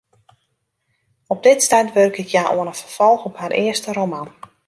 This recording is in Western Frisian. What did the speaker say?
Op dit stuit wurket hja oan in ferfolch op har earste roman.